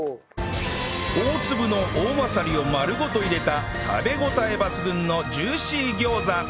大粒のおおまさりを丸ごと入れた食べ応え抜群のジューシー餃子